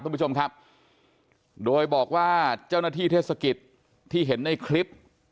คุณผู้ชมครับโดยบอกว่าเจ้าหน้าที่เทศกิจที่เห็นในคลิป